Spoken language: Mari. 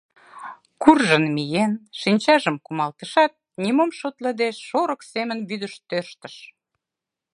Куржын миен, шинчажым кумалтышат, нимом шотлыде, шорык семын вӱдыш тӧрштыш.